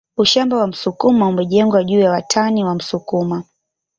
Ushamba wa msukuma umejengwa juu ya watani wa msukuma